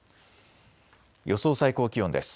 予想最高気温です。